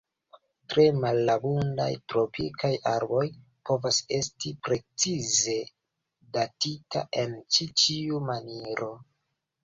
Tre malabundaj tropikaj arboj povas esti precize datita en ĉi tiu maniero.